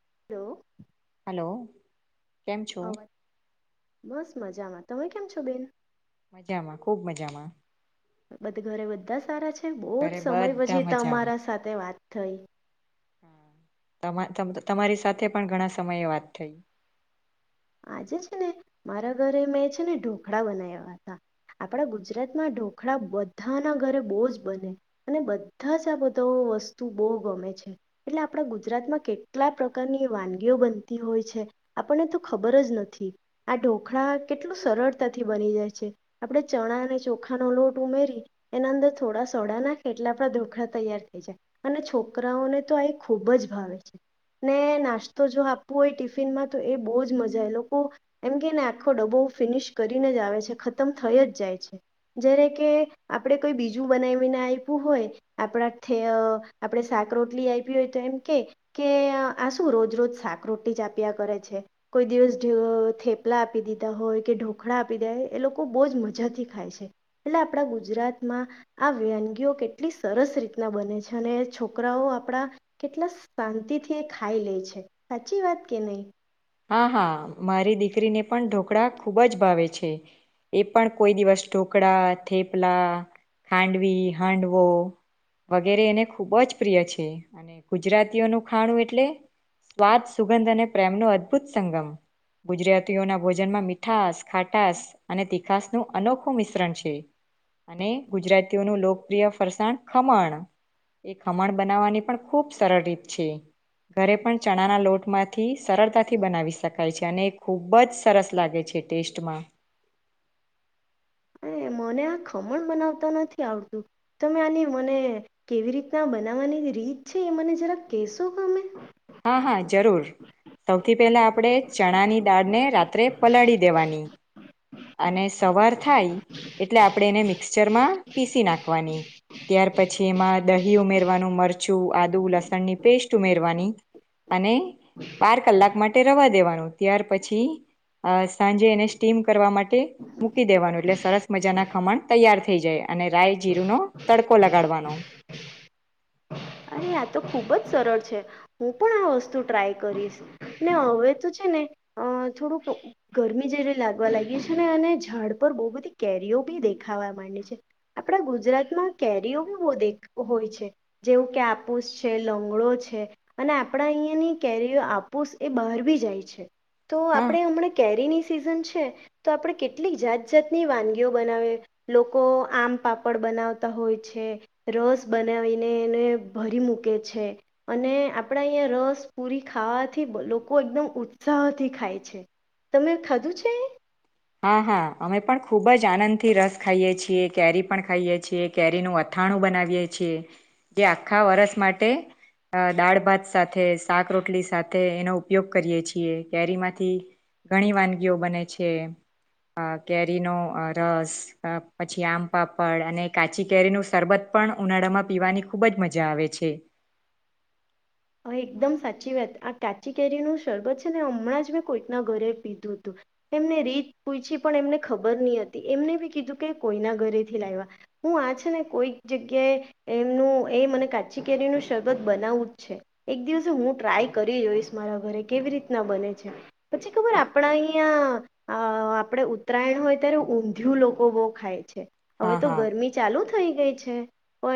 [inaudible] Hello કેમ છું? અવાજ બસ મજામાં તમે કેમ છો બેન [inaudible] બધા ઘરે બધા સારા છે. બો જ ઘરે સમય બધા પછી મજામાં તમારા સાથે વાત [inaudible] તમા તમ તમારી સાથે પણ ઘણા સમયે વાત થઈ. આજે છે ને મારા ઘરે મેં છે ને ઢોખળા બના્યા હતા આપણા ગુજરાતમાં ઢોકળા બધાના ઘરે બોજ બને અને બધા જ આ બધા વસ્તુ બો ગમે છે. એટલે આપણા ગુજરાતમાં કેટલા પ્રકારની વાનગીઓ બનતી હોય છે. આપણને તો ખબર જ નથી આ ઢોખળા કેટલું સરળતાથી બની જાય છે. આપણે ચણા અને ચોખાનો લોટ ઉમેરી એના અંદર થોડા સોડા નાખે એટલે આપડા ઢોખળા તૈયાર થઈ જાય અને છોકરાઓને તો આ ખૂબ જ ભાવે છે ને નાસ્તો જો આપવો હોય ટિફિનમાં તો એ બો જ મજા એ લોકો એમ કેને આખો ડબો ફિનિશ કરીને જ આવે છે. ખતમ થઈ જ જાય છે જ્યારે કે આપણે કોઈ બીજું બનાવીને આપ્યું હોય આપણા આપણે થે શાક રોટલી આયપી હોય તો એમ કે કે આ શું રોજ રોજ શાક રોટલી જ આપ્યા કરે છે. કોઈ દિવસ થેપલા આપી દીધા હોય કે ઢોકળા આપી દે હોય એ લોકો બો જ મજાથી ખાય છે. એટલે આપણા ગુજરાતમાં આ વનગીઓ કેટલી સરસ રીતના બને છે. અને છોકરાઓ આપણા કેટલા શાંતિથી એ ખાઈ લે છે સાચી વાત કે નહીં. હા હા મારી દીકરીને પણ ઢોકળા ખૂબ જ ભાવે છે. એ પણ કોઈ દિવસ ઢોકળા થેપલા ખાંડવી હાંડવો વગેરે એને ખૂબ જ પ્રિય છે અને ગુજરાતીઓનું ખાણું એટલે સ્વાદ સુગંધ અને પ્રેમનું અદ ભૂત સંગમ ગુજરાતીઓના ભોજનમાં મીઠાસ ખાટાસ અને તીખાસનું અનોખું મિશ્રણ છે અને ગુજરાતીઓનું લોકપ્રિય ફરસાણ ખમણ એ ખમણ બનાવવાની પણ ખૂબ સરળ રીત છે ઘરે પણ ચણાના લોટમાંથી સરળતા થી બનાવી શકાય છે અને ખૂબ જ સરસ લાગે છે ટેસ્ટમાં. અ મને આ ખમણ બનાવતા નથી આવતું તમે આની મને કેવી રીતના બનાવવાની રીત છે એ મને જરા કહેશો તમે હા હા જરૂર સૌથી પહેલા આપણે ચણાની દાળને રા ત્રે પલાળી દેવાની અને સવાર થાય એટલે આપણે એને મિક્ચરમાં પીસી નાખવાની ત્યાર પછી એમાં દહી ઉમેરવાનું મરચું આદુ લસણની પેસ્ટ ઉમેરવાની. અને બાર કલાક માટે રવા દેવાનું ત્યાર પછી સાંજે એને સ્ટીમ કરવા માટે મૂકી દેવાનું એટલે સરસ મજાના ખમણ તૈયાર થઈ જાય અને રાય જીરુંનો તડકો લગાડવાનો. અરે આ તો ખૂબ જ સરળ છે. હું પણ આ વસ્તુ ટ્રાય કરીશ ને હવે તો છે ને અ થોડુંક ગરમી જેવી લાગવા લાયગી છે. અને અને ઝાડ પર બો બધી કેરીઓ બી દેખાવા માંડી છે આપણા ગુજરાતમાં કેરીઓ બી બો દે હોય છે જેવું કે આ પૂસ છે લંગડો છે અને આપણા અહીંયાની કેરીઓ આપૂસ એ બહાર બી જાય છે. તો હા આપડે હમણાં કેરી ની સિઝન છે તો આપડે કેટલીક જાત જાતની વાનગીઓ બનાવે લોકો આમ પાપડ બનાવતા હોય છે રસ બનાવીને એને ભરી મૂકે છે અને આપણા અહીંયા રસ પુરી ખાવાથી લોકો એકદમ ઉત્સાહથી ખાય છે. તમે ખાધું છે? હા હા અમે પણ ખૂબ જ આનંદ થી રસ ખાઈએ છીએ. કેરી પણ ખાઈએ છીએ. કેરીનું અથાણું બનાવીએ છીએ. જે આખા વરસ માટે દાળ ભાત સાથે શાક રોટલી સાથે એનો ઉપયોગ કરીએ છીએ. કેરી માંથી ઘણી વાનગીઓ બને છે. અ કેરીનો રસ પછી આમ પાપડ અને કાચી કેરીનું શરબત પણ ઉનાળામાં પીવાની ખૂબ જ મજા આવે છે. હ એકદમ સાચી વાત આ કાચી કેરીનું શરબત છે ને હમણાં જ મેં કોઈકના ઘરે પીધું હતું એમને રીત પૂછી પણ એમને ખબર ની હતી એમને બી કીધું કે કોઈના ઘરેથી લાવવા હું આ છે ને કોઈક જગ્યાએ એમનું એ મને કાચી કેરીનું શરબત બનાવવું જ છે. એક દિવસે હું ટ્રાય કરી જોઈશ મારા ઘરે કેવી રીતના બને છે પછી ખબર આપણા અહીંયા અ આપણે ઉત્તરાયણ હોય ત્યારે ઊંધિયું લોકો બો ખાય છે. હવે હા તો હા ગરમી ચાલુ થઈ ગઈ છે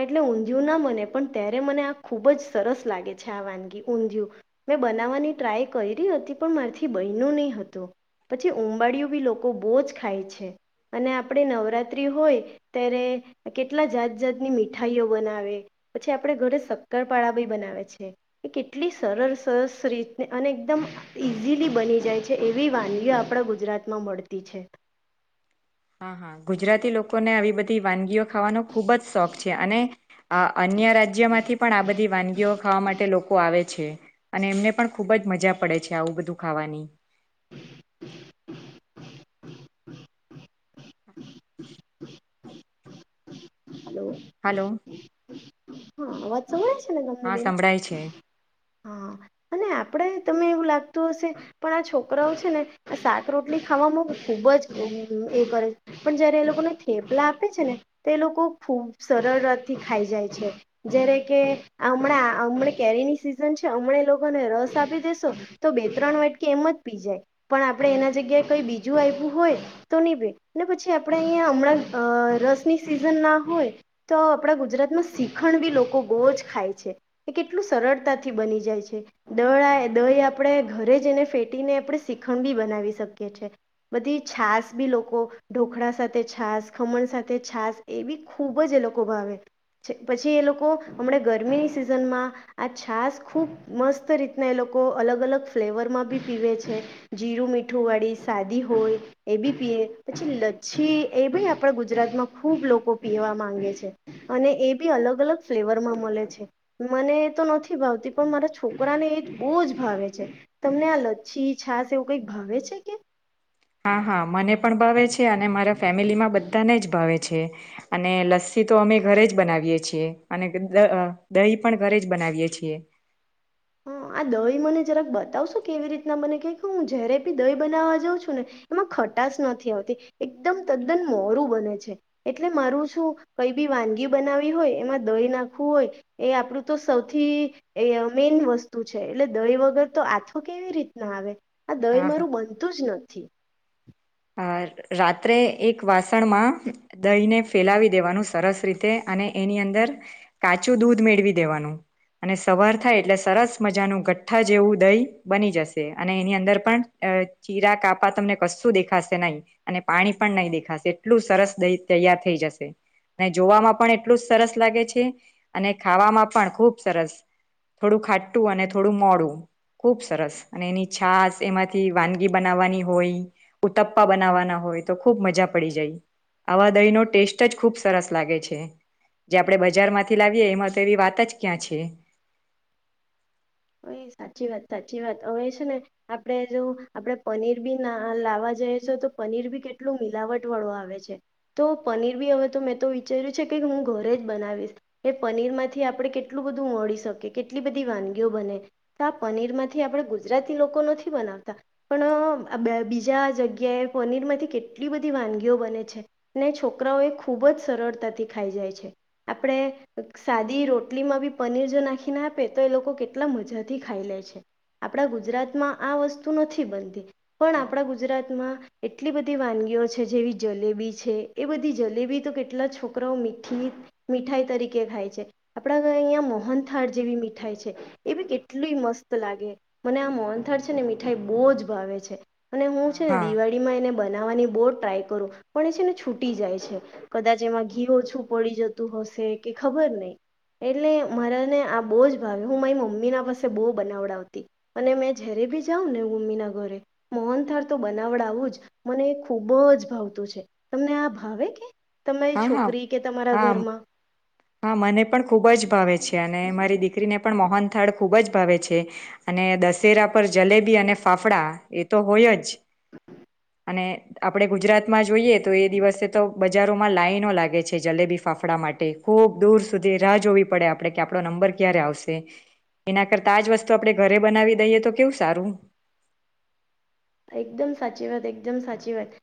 એટલે ઊંધિયું ના મને પણ ત્યારે મને આ ખુબ જ સરસ લાગે. અચ્છા વાનગી ઊંધિયું મેં બનાવવાની ટ્રાય કયરી હતી પણ મારીથી બયનું નહીં હતું પછી ઉબાળિયું બી લોકો બો જ ખાય છે અને આપણે નવરાત્રિ હોય ત્યારે કેટલા જાત જાતની મીઠાઈઓ બનાવે પછી આપણે ઘરે શક્કરપાળા બી બનાવે છે. એ કેટલી સરલ સરસ રીતે અને એકદમ ઈઝીલી બની જાય છે એવી વાનગીઓ આપણા ગુજરાતમાં મળતી છે. હા હા ગુજરાતી લોકોને આવી બધી વાનગીઓ ખાવાનો ખૂબ જ શોખ છે અને અન્ય રાજ્યમાંથી પણ આ બધી વાનગીઓ ખાવા માટે લોકો આવે છે અને એમને પણ ખૂબ જ મજા પડે છે આવું બધું ખાવાની. હલો. હાલો. હા અવાજ સંભળાય છ હા સંભળાય છે. હા અને આપડે તને એવું લાગતું હશે પણ આ છોકરાઓ છે ને આ શાક રોટલી ખાવામાં ખુબ જ એ કરે છે પણ જયારે એ લોકોને થેપલા આપે છે ને તો એ લોકો. ખૂબ સરળતાથી ખાઈ જાય છે જ્યારે કે હમણાં હમણાં કેરીની સિઝન છે હમણાં લોકોને રસ આપી દેેશો તો બે ત્રણ વાટકી એમ જ પી જાય પણ આપણે એના જગ્યાએ કંઈ બીજું આપવું હોય તો ની પી ને પછી આપણે અહીંયા હમણાં અ રસની સિઝનના હોય તો આપણા ગુજરાતમાં શીખણ બી લોકો બહુ જ ખાય છે એ કેટલું સરળતાથી બની જાય છે દળ દહી આપણે ઘરે જને ફેટીને આપણે શીખણ બી બનાવી શકીએ છે બધી છાસ બી લોકો ઢોકળા સાથે છાસ ખમણ સાથે છાસ એ બી ખૂબ જ એ લોકો ભાવે છે પછી એ લોકો હમણાં ગરમીની સિઝનમાં આ છાાસ ખૂબ મસ્ત રીતના એ લોકો અલગ અલગ ફ્લેવરમાં બી પીવે છે જીરું મીઠું વાળી સાદી હોય એ બી પીવે પછી લચ્છી એ બી આપણા ગુજરાતમાં ખૂબ લોકો પીવા માંગે છે અને એ બી અલગ અલગ ફ્લેવર માં મળે છે. મને એ તો નથી ભાવતી પણ મારા છોકરાને એ જ બહુ જ ભાવે છે. તમને આ લચ્છી છાસ એવું કઈક ભાવે છે કે? હા હા મને પણ ભાવે છે અને મારા ફેમિલી માં બધાને જ ભાવે છે. અને લસ્સી તો અમે ઘરે જ બનાવીએ છીએ. અને દ દહી પણ ઘરે જ બનાવીએ છીએ. હા આ દહી મને જરાક બતાવશો કેવી રીતના મને ક કે હું જ્યારે બી દહી બનાવવા જાઉં છું ને એમાં ખટશ નથી આવતી એકદમ તદ્દન મોરું બને છે એટલે મારું શું કઈ બી વાનગી બનાવી હોય એમાં દહી નાખવું હોય એ આપણું તો સૌથી એ મેન વસ્તુ છે એટલે દહી વગર તો આથો કેવી રીતના આવે. આ દહી હા મારું બનતું જ નથી. [inaudible] અ રાત્રે એક વાસણમાં દહીને ફેલાવી દેવાનું સરસ રીતે અને એની અંદર કાચું દૂધ મેળવી દેવાનું અને સવાર થાય એટલે સરસ મજાનું ગઠ્ઠા જેવું દહી બની જશે અને એની અંદર પણ ચીરા કાપા તમને કશું દેખા ા નહી અને પાણી પણ નહીં દેખાશે એટલું સરસ દ તૈયાર થઈ જશે અને જોવામાં પણ એટલું જ સરસ લાગે છે અને ખાવામાં પણ ખુબ સરસ થોડું ખાટું અને થોડું મોડું ખુબ સરસ અને એની છાસ એમાંથી વાનગી બનાવવાની હોય ઉતપ્પા બનાવવાના હોય તો ખૂબ મજા પડી જાય આવા દહીનો ટેસ્ટ જ ખૂબ સરસ લાગે છે જે આપણે બજારમાંથી લાવીએ એમાં તો એવી વાત જ ક્યાં છે હઇ સાચી વાત સાચી વાત હવે છે, ને આપણે જો આપણેે પનીર બી ના લાવવા જઈએ છે તો પનીર બી કેટલું મિલાવટ વાળો આવે છે. તો પનીર બી હવે તો મેં તો વિચાર્યું છે કે હું ઘરે જ બનાવીશ કે પનીર માંથી આપડણે કેટલું બધું મળી શકીએ કેટલી બધી વાન તો પનીરમાંથી આપણે ગુજરાતી લોકો નથી બનાવતા પણ બીજા જગ્યાએ પનીરમાંથી કેટલી બધી વાનગીઓ બને છે. ને છોકરાઓ એ ખૂબ જ સરળતાથી ખાઈ જાય છે. આપણે સાદી રોટલીમાં બી પનીર જો નાખી ના આપે તો એ લોકો કેટ લા મજાથી ખાઈ લે છે. આપણા ગુજરાતમાં આ વસ્તુ નથી બનતી પણ આપણા ગુજરાતમાં એટલી બધી વાનગીઓ છે જેવી જલેબી છે એ બધી જલેબી તો કેટલા છોકરાઓ મીઠી મીઠાઈ તરીકે ખાય છે. આપણા ઘરે અહીંયા મોહન થાળ જેવી મીઠાઈ છે. એ બી કેટલી મસ્ત લાગે મને આ મોનથળ છે, ને મીઠાઈ બહુ જ ભાવે છે. અને હું છે ને હા દિવાળી માં એને બનાવવાની બહ ટ્રાય કરું પણ એ છે ને છૂટી જાય છે, કદાચ એમાં ઘી ઓછું પડી જતું હશે કે ખબર નહી. એટલે હા મારાને આ બહુ જ હું મારા મો મમ્મી ના પાસે બહુ બનાવડાવતી અને મેં જરે ભી જાઉં ને મમ્મીના ઘરે મોહન થાર તો બનાવડાવું જ મને એ ખુબ જ ભાવતું છે તમને આ ભાવે કે તમારી હા છોકરી કે તમારા હા ઘરમાં હા મને પણ ખૂબ જ ભાવે છે, અને મારી દીકરીને પણ મોહનથાળ ખૂબ જ ભાવે છે, અને દશેરા પર જલેબી અને ફાફડા એ તો હોય જ અને આપણે ગુજરાતમાં જોઈએ તો એ દિવસે તો બજારોમાં લાાઈનો લાગે છે જલેબી ફાફડા માટે ખૂબ દૂર સુધી રાહ જોવી પડે આપડણે કે આપણો નંબર ક્યારે આવશે એના કરતા આજ વસ્તુ આપણે ઘરે બનાવી દઈએ તો કેવું સારું એકદમ સાચી વાત એકદમ સાચી વાત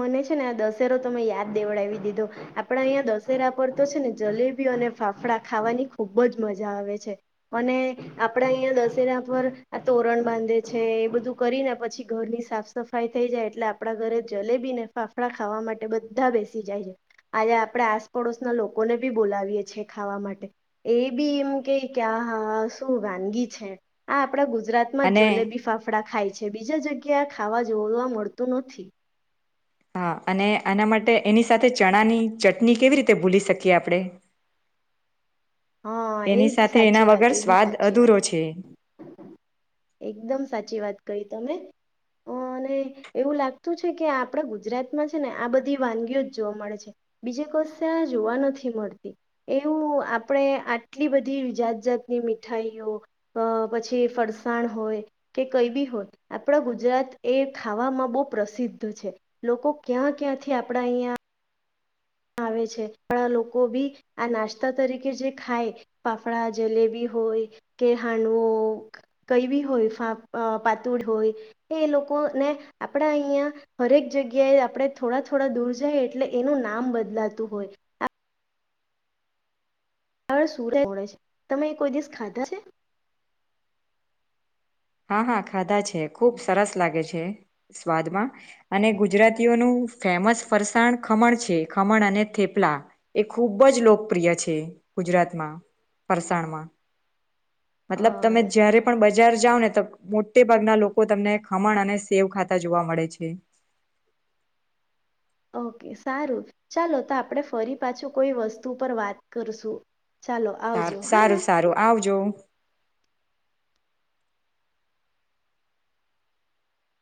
મને છે, ને આ દશેરો તમે યાદ દેવડાવી દીધો આપડા અહીંયા દશેરા પર તો છે ને જલેબી અને ફાફડા ખાવાની ખુબ જ મજા આવે છે, અને આપડા અહીંયા દશેરા પર આ તોરણ બાંધે છે એ બધું કરીને પછી ઘરની સાફ સફાઈ થઈ જાય એટલે આપણા ઘરે જલેબી ને ફાફડા ખાવા માટે બધા બેસી જાય છે આજે આપણેે આસપડોસના લોકોને બી બોલાવીએ છે ખાવા માટે એ બી એમ કે કે આ હા શું વાનગી છે આ આપણા ગુજરાતમાં અને જલેબી ફાફડા ખાય છે. બીજા જગ ગ્યા આ ખાવા જોવા મળતું નથી. હા અને આના માટે એની સાથે ચણાની ચટણી કેવી રીતે ભૂલી શકીએ આપણે હા એ એની બી સાથે એના સાચી વાત વગર એ બી સ્વાદ સાચી વાત અધૂરો છે. એકદમ સાચી વાત કહી તમે અને એવું લાગતું છે, કે આપડા ગુજરાતમાં છે ને આ બધી વાનગીઓ જ જોવા મળે છે બીજે કોસ્ આ જોવા નથી મળતી એવું આપણેે આટલી બધી જાત જાતની મીઠાઈઓ પછી ફર ણ હોય કે કઈ બી હોય આપણા ગુજરાત એ ખાવામાં બહુ પ્રસિદ્ધ છે, લોકો ક્યાં ક્યાંથી આપણા અહીંયા આવે છે પણ આ લોકો બી આ નાસ્તા તરીકે જે ખાય ફાફડા જલેબી હોય કે હાંડવો કઈ બી હોય પાતુળ હોય એ લોકો ને આપડા અહિયાં હરેક જગ્યાએ આપણે થોડા થોડા દૂર જાય એટલે એનું નામ બદ બદલાતું હોય આ આ સુરડે છે તમે કોઈ દિવસ ખાધા છે? હા હા ખાધા છે ખૂબ સરસ લાગે છે સ્વાદમાં અને ગુજરાતીઓનું ફેમસ ફરસાણ ખમણ છે. ખમણ અને થેપલા એ ખૂબ જ લોકપ્રિય છે, ગુજરાતમાં ફરસાણમાં અ મતલબ તમે જયારે પણ બજાર જાઓ ને તો મોટે ભાગના લોકો તમને ખમણ અને સેવ ખાતા જોવા મળે છે. ઓકે સારું ચાલો તો આપણે ફરી પાછું કોઈ વસ્તુ પર વાત કરશું. ચાલો આવજો હા ને સાર-સારું સારું આવજો.